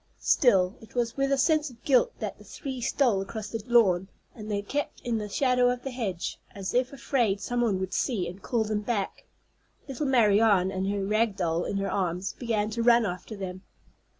Still, it was with a sense of guilt that the three stole across the lawn; and they kept in the shadow of the hedge, as if afraid some one would see and call them back. Little Marianne, with her rag doll in her arms, began to run after them.